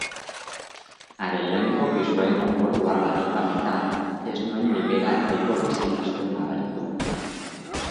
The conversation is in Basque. Haren lehengo pisuaren akordua baneukaneta, ez nuen libera erdiko bezain astun nabaritu.